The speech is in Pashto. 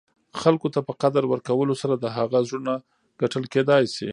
خلګو ته په قدر ورکولو سره، د هغه زړونه ګټل کېداى سي.